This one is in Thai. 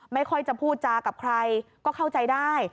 ไม่ค่อยจะพูดจากับใครก็เข้าใจได้